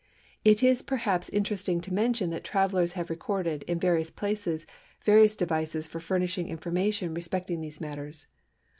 It is perhaps interesting to mention that travellers have recorded, in various places, various devices for furnishing information respecting these matters.